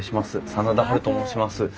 真田ハルと申します。